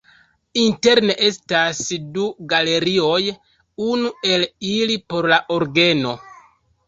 Interne estas du galerioj, unu el ili por la orgeno.